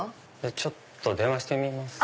ちょっと電話してみます。